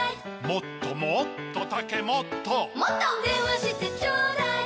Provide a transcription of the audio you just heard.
「もっともっとタケモット」「でんわしてちょうだい」